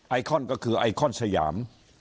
ไอคอนก็คือไอคอนสยาม